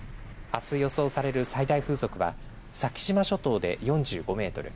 あす予想される最大風速は先島諸島で４５メートル